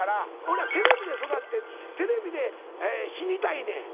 俺らテレビで育ってテレビで死にたいねん。